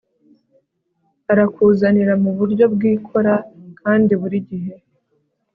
arakuzanira mu buryo bwikora kandi burigihe